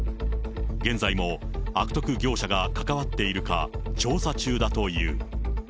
現在も悪徳業者が関わっているか、調査中だという。